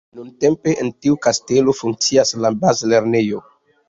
Nuntempe en tiu kastelo funkcias la bazlernejo.